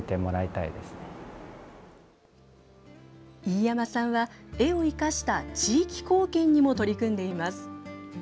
飯山さんは、絵を生かした地域貢献にも取り組んでいます。